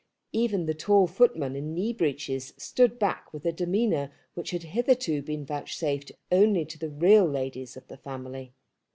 Even the tall footman in knee breeches stood back with a demeanour which had hitherto been vouchsafed only to the real ladies of the family.